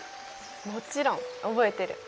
もちろん覚えてる。